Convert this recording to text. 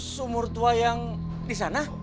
sumur tua yang disana